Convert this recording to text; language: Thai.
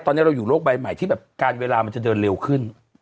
ตอนนี้เราอยู่โลกใบใหม่ที่แบบการเวลามันจะเดินเร็วขึ้น